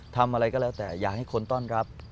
ทำอะไรก็แล้วแต่อยากให้คนต้อนรับ